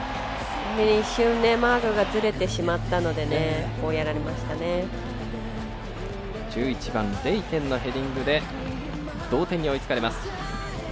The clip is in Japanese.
一瞬、マークがずれてしまったので１１番、レイテンのヘディングで同点に追いつかれます。